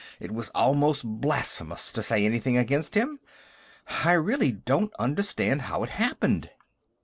"It was almost blasphemous to say anything against him. I really don't understand how it happened...."